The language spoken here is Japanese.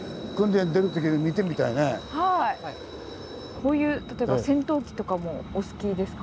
こういう例えば戦闘機とかもお好きですか？